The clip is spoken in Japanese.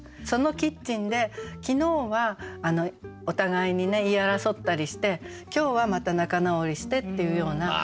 そのキッチンで昨日はお互いに言い争ったりして今日はまた仲直りしてっていうような。